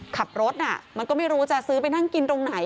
ขับรถมันก็ไม่รู้จะซื้อไปนั่งกินตรงไหน